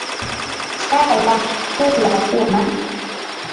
swala laku lakuwa na